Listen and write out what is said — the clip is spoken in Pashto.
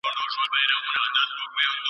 هغه وويل چي زغم ضروري دی.